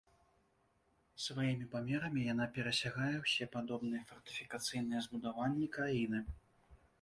Сваімі памерамі яна перасягае ўсе падобныя фартыфікацыйныя збудаванні краіны.